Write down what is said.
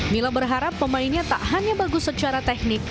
mila berharap pemainnya tak hanya bagus secara teknik